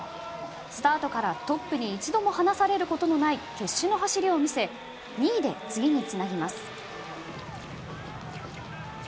スタートからトップに一度も離されることのない決死の走りを見せ２位で次につなげます。